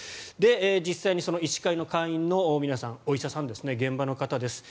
実際に医師会の会員の皆さんお医者さん、現場の方々です。